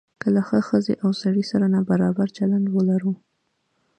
که له ښځې او سړي سره نابرابر چلند ولرو.